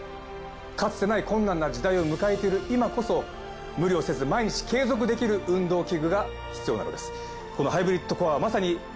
かつてない困難な時代を迎えている今こそ無理をせず毎日継続できる運動器具が必要なのです。